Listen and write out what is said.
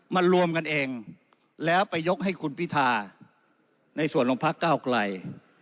รวมกันเองแล้วไปยกให้คุณพิธาในส่วนของพักเก้าไกล